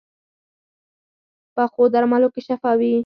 پخو درملو کې شفا وي